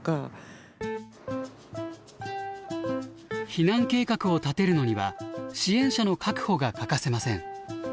避難計画を立てるのには支援者の確保が欠かせません。